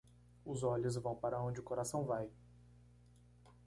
Os olhos vão para onde o coração vai.